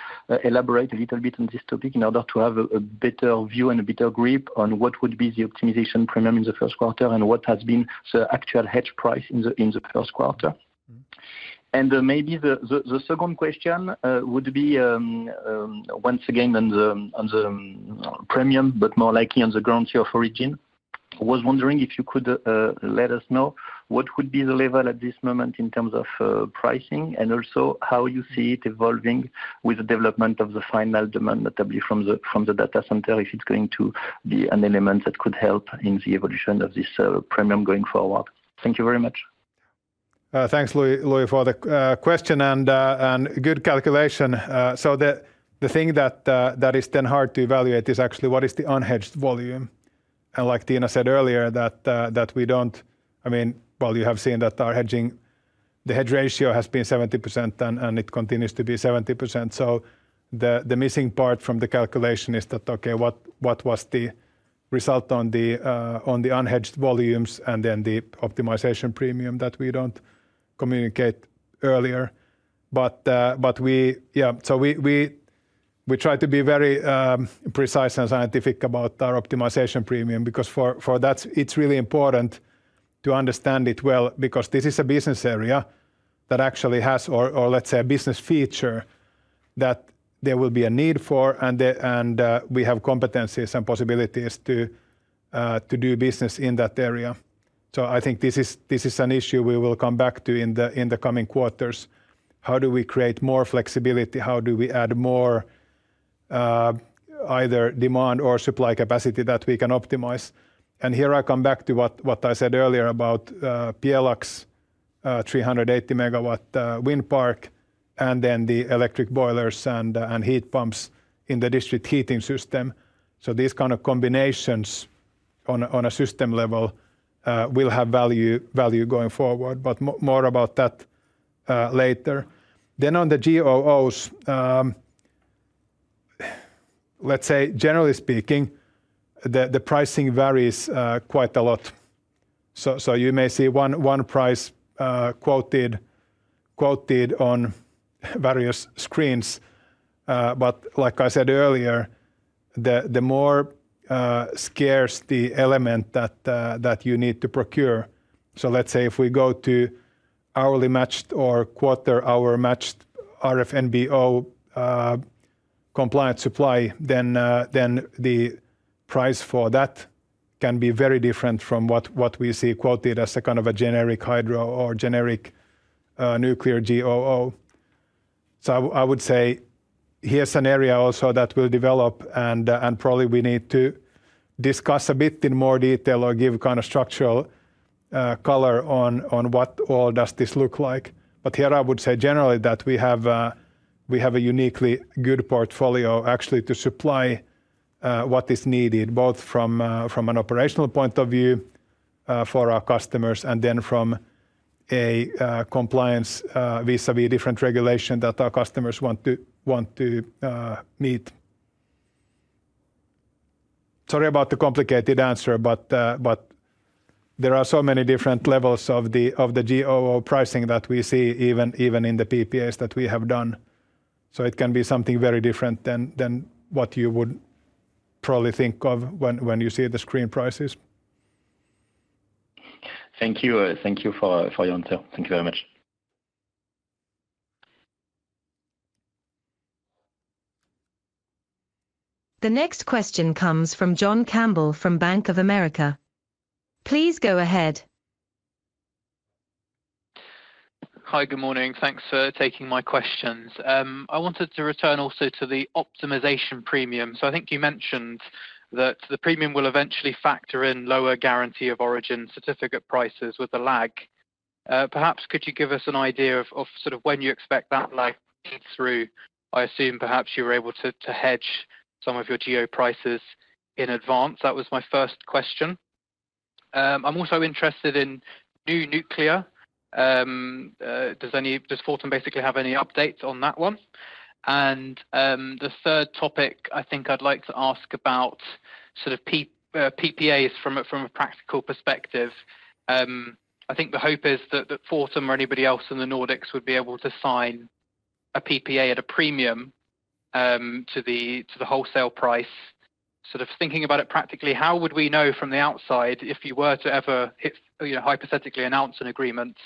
elaborate a little bit on this topic in order to have a better view and a better grip on what would be the optimization premium in the first quarter and what has been the actual hedge price in the first quarter? Mm. Maybe the second question would be, once again, on the premium, but more likely on the guarantee of origin. I was wondering if you could let us know what would be the level at this moment in terms of pricing and also how you see it evolving with the development of the final demand, notably from the data center, if it's going to be an element that could help in the evolution of this premium going forward. Thank you very much. Thanks, Louis, for the question and good calculation. So the thing that is then hard to evaluate is actually what is the unhedged volume, and like Tiina said earlier, that we don't... I mean, well, you have seen that our hedging, the hedge ratio has been 70% and it continues to be 70%. So the missing part from the calculation is that, okay, what was the result on the unhedged volumes and then the optimization premium that we don't communicate earlier? But we try to be very precise and scientific about our Optimization premium, because for that, it's really important to understand it well, because this is a business area that actually has, or let's say, a business feature that there will be a need for, and we have competencies and possibilities to do business in that area. So I think this is an issue we will come back to in the coming quarters. How do we create more flexibility? How do we add more either demand or supply capacity that we can optimize? Here I come back to what I said earlier about Pjelax, 380 MW wind park, and then the electric boilers and heat pumps in the district heating system. These kind of combinations on a system level will have value going forward, but more about that later. Then on the GOs, let's say, generally speaking, the pricing varies quite a lot. So you may see one price quoted on various screens, but like I said earlier, the more scarce the element that you need to procure... So let's say if we go to hourly matched or quarter hour matched RFNBO compliant supply, then the price for that can be very different from what we see quoted as a kind of a generic hydro or generic nuclear GO. So I would say here's an area also that will develop, and probably we need to discuss a bit in more detail or give kind of structural color on what all does this look like. But here I would say generally that we have a uniquely good portfolio actually to supply what is needed, both from an operational point of view for our customers, and then from a compliance vis-à-vis different regulation that our customers want to meet. Sorry about the complicated answer, but there are so many different levels of the GO pricing that we see even in the PPAs that we have done. So it can be something very different than what you would probably think of when you see the screen prices. Thank you. Thank you for your answer. Thank you very much. The next question comes from John Campbell from Bank of America. Please go ahead. Hi, good morning. Thanks for taking my questions. I wanted to return also to the optimization premium. So I think you mentioned that the premium will eventually factor in lower guarantee of origin certificate prices with a lag. Perhaps could you give us an idea of sort of when you expect that lag to feed through? I assume perhaps you were able to hedge some of your GO prices in advance. That was my first question. I'm also interested in new nuclear. Does Fortum basically have any updates on that one? And the third topic I think I'd like to ask about sort of PPAs from a practical perspective. I think the hope is that, that Fortum or anybody else in the Nordics would be able to sign a PPA at a premium to the wholesale price. Sort of thinking about it practically, how would we know from the outside if you were to ever, you know, hypothetically announce an agreement,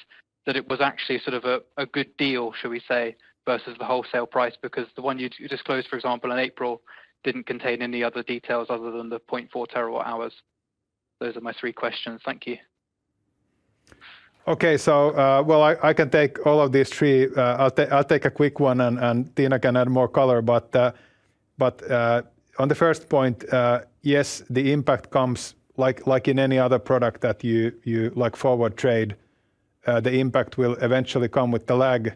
that it was actually sort of a good deal, shall we say, versus the wholesale price? Because the one you disclosed, for example, in April, didn't contain any other details other than the 0.4 TWh. Those are my three questions. Thank you. Okay. So, well, I can take all of these three. I'll take a quick one, and Tiina can add more color, but on the first point, yes, the impact comes like in any other product that you like forward trade, the impact will eventually come with the lag.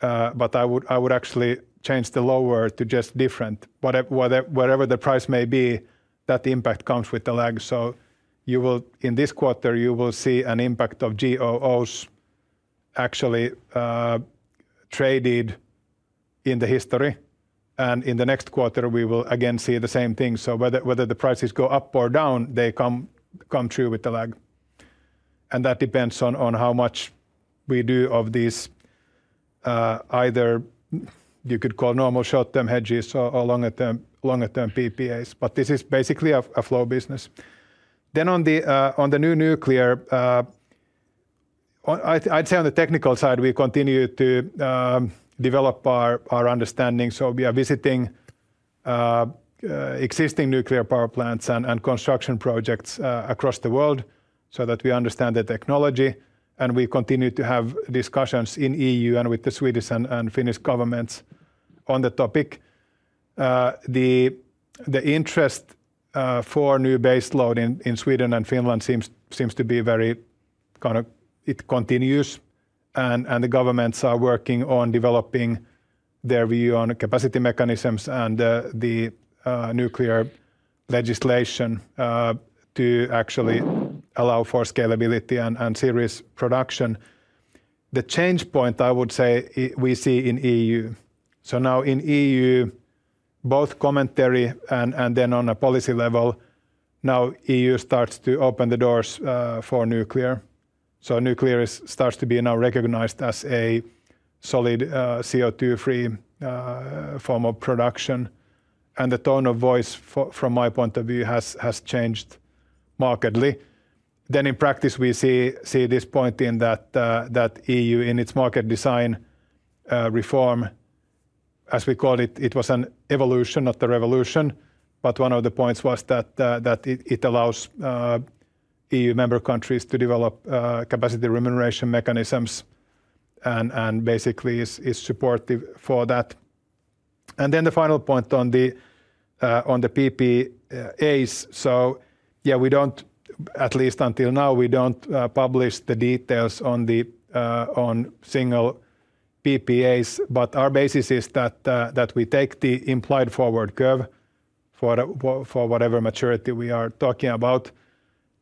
But I would actually change the lower to just different. Whatever the price may be, that impact comes with the lag. So you will... In this quarter, you will see an impact of GOs actually traded in the history, and in the next quarter, we will again see the same thing. So whether the prices go up or down, they come through with the lag, and that depends on how much we do of these, either you could call normal short-term hedges or longer-term PPAs, but this is basically a flow business. Then on the new nuclear, well, I'd say on the technical side, we continue to develop our understanding. So we are visiting existing nuclear power plants and construction projects across the world so that we understand the technology, and we continue to have discussions in the EU and with the Swedish and Finnish governments on the topic. The interest for new baseload in Sweden and Finland seems to be very kind of it continues, and the governments are working on developing their view on capacity mechanisms and the nuclear legislation to actually allow for scalability and serious production. The change point, I would say, we see in EU. So now in EU, both commentary and then on a policy level, now EU starts to open the doors for nuclear. So nuclear starts to be now recognized as a solid CO2-free form of production, and the tone of voice from my point of view has changed markedly. Then in practice, we see this point in that EU, in its market design reform, as we call it, it was an evolution, not the revolution. But one of the points was that it allows EU member countries to develop capacity remuneration mechanisms and basically is supportive for that. And then the final point on the PPAs. So, yeah, we don't, at least until now, we don't publish the details on the single PPAs, but our basis is that we take the implied forward curve for whatever maturity we are talking about.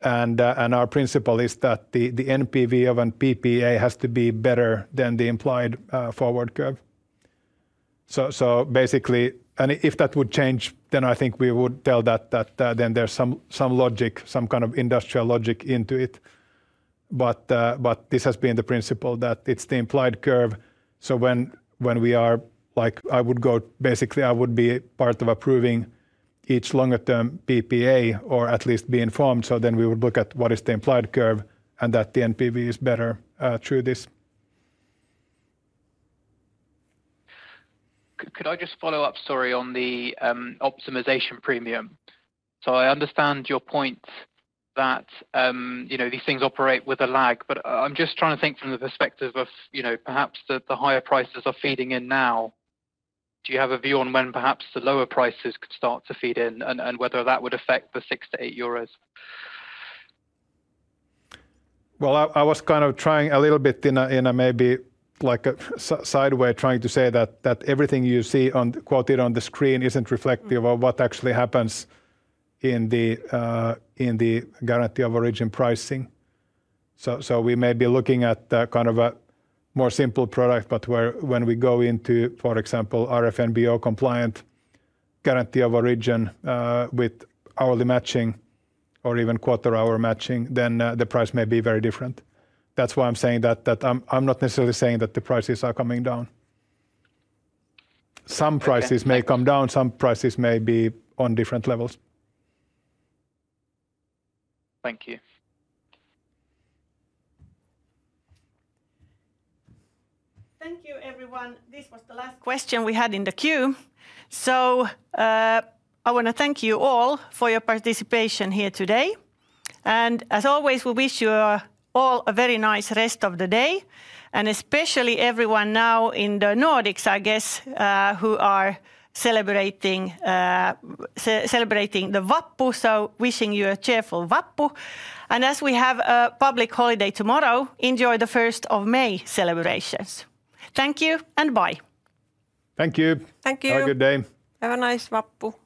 And our principle is that the NPV of a PPA has to be better than the implied forward curve. So, basically, and if that would change, then I think we would tell that then there's some logic, some kind of industrial logic into it. But this has been the principle, that it's the implied curve. So when we are like, I would basically go, I would be part of approving each longer term PPA or at least be informed, so then we would look at what is the implied curve and that the NPV is better through this. Could I just follow up, sorry, on the optimization premium? So I understand your point that, you know, these things operate with a lag, but, I'm just trying to think from the perspective of, you know, perhaps the higher prices are feeding in now. Do you have a view on when perhaps the lower prices could start to feed in, and whether that would affect the 6-8 euros? Well, I was kind of trying a little bit in a maybe, like, a sideways, trying to say that everything you see on... quoted on the screen isn't reflective of what actually happens in the guarantee of origin pricing. So, we may be looking at kind of a more simple product, but where when we go into, for example, RFNBO compliant guarantee of origin, with hourly matching or even quarter-hour matching, then the price may be very different. That's why I'm saying that I'm not necessarily saying that the prices are coming down. Some prices- Okay... may come down, some prices may be on different levels. Thank you. Thank you, everyone. This was the last question we had in the queue. So, I wanna thank you all for your participation here today. And as always, we wish you all a very nice rest of the day, and especially everyone now in the Nordics, I guess, who are celebrating the Vappu, so wishing you a cheerful Vappu. And as we have a public holiday tomorrow, enjoy the 1st of May celebrations. Thank you, and bye. Thank you. Thank you. Have a good day. Have a nice Vappu.